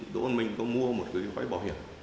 đỗ văn minh có mua một cái gói bảo hiểm